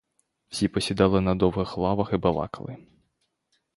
Всі посідали на довгих лавках і балакали.